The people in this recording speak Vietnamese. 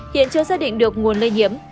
hiện chưa xác định được nguồn lây nhiễm